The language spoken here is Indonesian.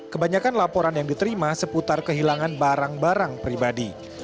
kebanyakan laporan yang diterima seputar kehilangan barang barang pribadi